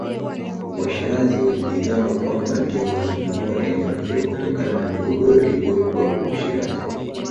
Washirazi walijigamba kwamba ndio walinunua eneo hilo kutokana na migogoro iliyokuwapo Ushirazi